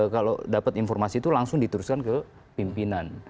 kalau dapat informasi itu langsung diteruskan ke pimpinan